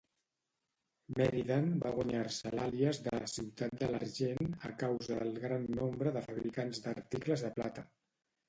Meriden va guanyar-se l'àlies de "ciutat de l'argent" a causa del gran nombre de fabricants d'articles de plata.